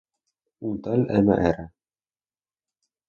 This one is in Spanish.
Un tal Mr.